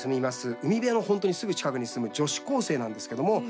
海辺の本当にすぐ近くに住む女子高生なんですけども。